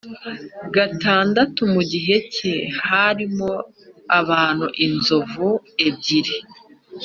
gatandatu Mu gihe cye harimo abantu inzovu ebyiri